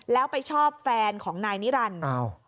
แล้วไปชอบแฟนของนายนิรันดิ์